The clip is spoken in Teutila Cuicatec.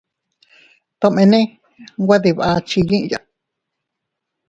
Tomene nwe dii bakchi yiʼya.